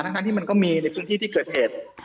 ทั้งที่มันก็มีในพื้นที่ที่เกิดเหตุ